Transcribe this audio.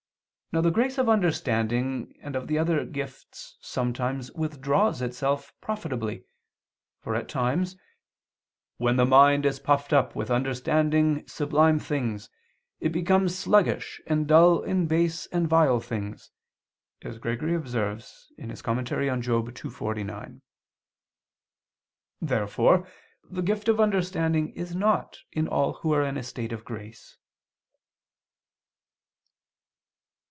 Now the grace of understanding and of the other gifts sometimes withdraws itself profitably, for, at times, "when the mind is puffed up with understanding sublime things, it becomes sluggish and dull in base and vile things," as Gregory observes (Moral. ii, 49). Therefore the gift of understanding is not in all who are in a state of grace.